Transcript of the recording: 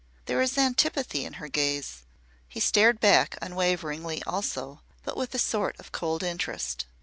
There is antipathy in her gaze." He stared back unwaveringly also, but with a sort of cold interest.